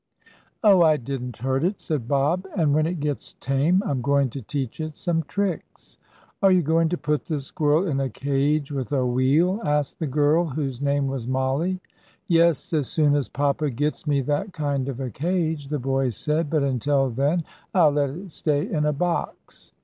"Oh, I didn't hurt it," said Bob. "And, when it gets tame I'm going to teach it some tricks." "Are you going to put the squirrel in a cage with a wheel?" asked the girl whose name was Mollie. "Yes, as soon as papa gets me that kind of a cage," the boy said. "But, until then, I'll let it stay in a box."